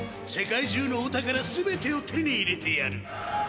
世界中のお宝全てを手に入れてやる。